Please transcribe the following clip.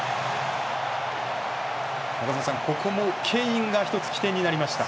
中澤さん、ここもケインが１つ起点になりました。